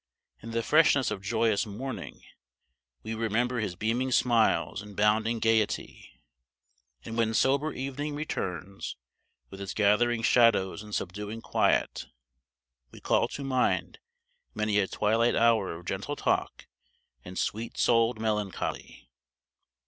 In the freshness of joyous morning we remember his beaming smiles and bounding gayety; and when sober evening returns with its gathering shadows and subduing quiet, we call to mind many a twilight hour of gentle talk and sweet souled melancholy.